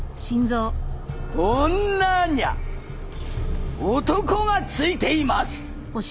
女にゃ男がついています。